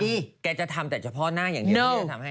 เดี๋ยวก่อนแกจะทำแต่เฉพาะหน้าอย่างนี้